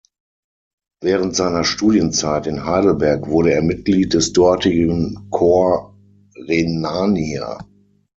Während seiner Studienzeit in Heidelberg wurde er Mitglied des dortigen Corps Rhenania.